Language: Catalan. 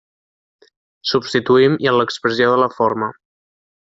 Substituïm i en l'expressió de la forma.